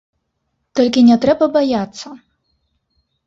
Толькі не трэба баяцца.